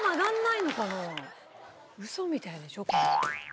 ウソみたいでしょこれ。